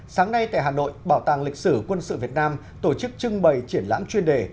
sáng nay tại hà nội bảo tàng lịch sử quân sự việt nam tổ chức trưng bày triển lãm chuyên đề